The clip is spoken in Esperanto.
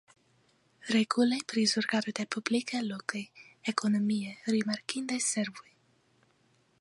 Reguloj pri zorgado de publikaj lokaj ekonomie rimarkindaj servoj.